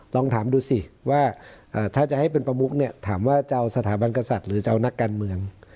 ลองถามดูสิว่าถ้าจะให้เป็นประมุกเนี่ยถามว่าจะเอาสถาบันกษัตริย์หรือจะเอานักการเมือง